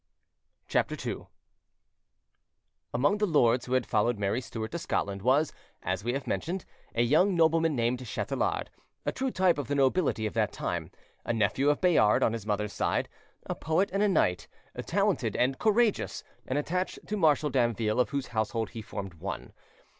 CHAPTER II Among the lords who had followed Mary Stuart to Scotland was, as we have mentioned, a young nobleman named Chatelard, a true type of the nobility of that time, a nephew of Bayard on his mother's side, a poet and a knight, talented and courageous, and attached to Marshal Damville, of whose household he formed one.